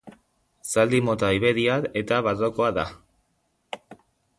Zaldi mota iberiar eta barrokoa da.